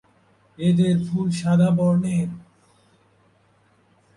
এদের ফুল সাদা বর্নের।